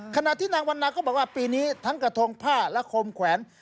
ขณะที่นางวันนาก็บอกว่าปีนี้ทั้งกระทงผ้าและคมแขวน